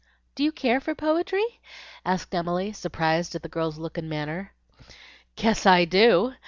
"Do you care for poetry?" asked Emily, surprised at the girl's look and manner. "Guess I do!